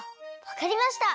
わかりました！